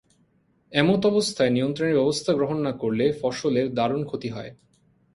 এমতাবস্থায় নিয়ন্ত্রণের ব্যবস্থা গ্রহণ না করলে ফসলের দারুণ ক্ষতি হয়।